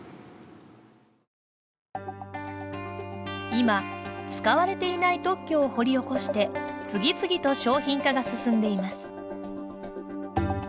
今、使われていない特許を掘り起こして次々と商品化が進んでいます。